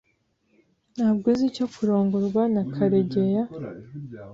Ntabwo uzi icyo kurongorwa na Karegeya.